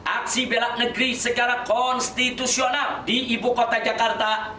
aksi belak negeri secara konstitusional di ibu kota jakarta